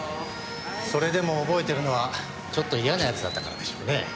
それでも覚えてるのはちょっと嫌な奴だったからでしょうね。